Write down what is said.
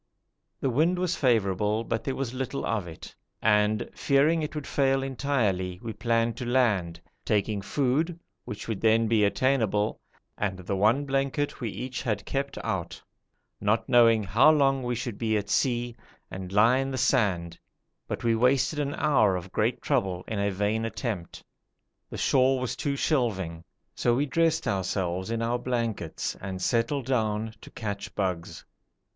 The wind was favourable, but there was little of it, and fearing it would fail entirely we planned to land, taking food, which would then be attainable, and the one blanket we each had kept out, not knowing how long we should be at sea, and lie in the sand, but we wasted an hour of great trouble in a vain attempt. The shore was too shelving, so we dressed ourselves in our blankets and settled down to catch bugs.